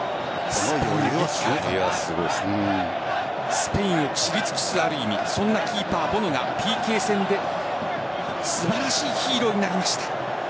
スペインを知り尽くすある意味そんなキーパー・ボノがＰＫ戦で素晴らしいヒーローになりました。